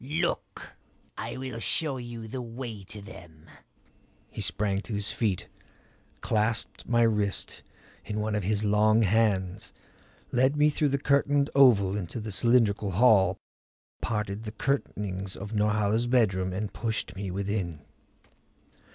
Look I will show you the way to them." He sprang to his feet, clasped my wrist in one of his long hands, led me through the curtained oval into the cylindrical hall, parted the curtainings of Norhala's bedroom and pushed me within.